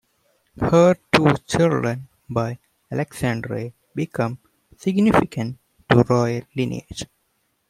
Her two children by Alexandre became significant to royal lineage.